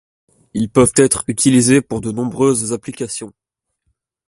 Ils peuvent être utilisés pour de nombreuses applications.